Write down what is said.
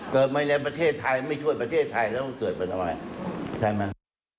เกิดมาในประเทศไทยไม่ช่วยประเทศไทยแล้วมันเกิดเป็นอะไรใช่ไหม